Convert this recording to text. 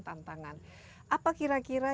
tantangan apa kira kira